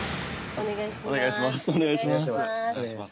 お願いします。